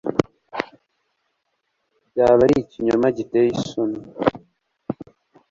Byaba ari ikinyoma giteye isoni